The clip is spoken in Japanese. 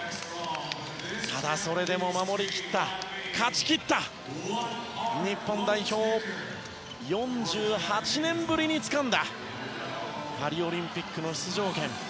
ただ、それでも守り切った勝ち切った日本代表、４８年ぶりにつかんだパリオリンピックの出場権。